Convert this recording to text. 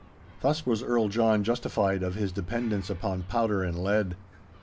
Thus was Earl John justified of his dependence upon powder and lead.